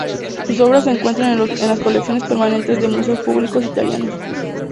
Sus obras se encuentran en las colecciones permanentes de Museos públicos italianos.